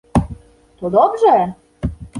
To dobrze!